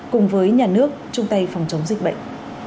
cùng với nhà nước trung tây phòng chống dịch bệnh